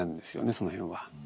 その辺は。